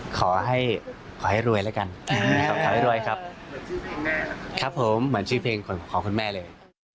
ขอให้ขอให้รวยแล้วกันขอให้รวยครับครับผมเหมือนชื่อเพลงของคุณแม่เลย